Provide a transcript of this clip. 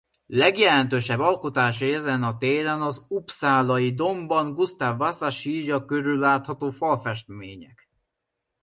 Legjelentősebb alkotásai ezen a téren az uppsalai dómban Gustav Vasa sírja körül látható falfestmények.